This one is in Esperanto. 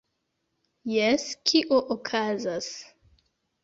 Jes, kio okazas?